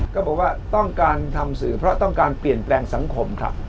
ก็บอกว่าต้องการทำสื่อเพราะต้องการเปลี่ยนแปลงสังคมครับ